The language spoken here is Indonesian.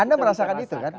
anda merasakan itu kan